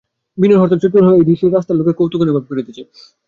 বিনয়ের হঠাৎ চৈতন্য হইল যে, এই দৃশ্যে রাস্তার লোকে কৌতুক অনুভব করিতেছে।